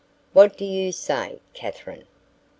"What do you say, Katherine?